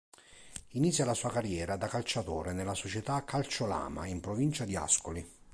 Inizia la sua carriera da calciatore nella società Calcio Lama in provincia di Ascoli.